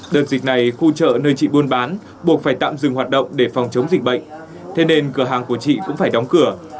đợt dịch này khu chợ nơi chị buôn bán buộc phải tạm dừng hoạt động để phòng chống dịch bệnh thế nên cửa hàng của chị cũng phải đóng cửa